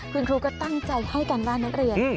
คุณครูก็ตั้งใจให้การว่านักเรียน